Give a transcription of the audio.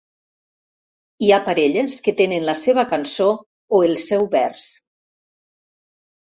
Hi ha parelles que tenen la seva cançó o el seu vers.